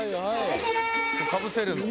かぶせるの？